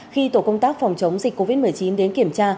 khi tổ công tác phòng chống dịch covid một mươi chín đến kiểm tra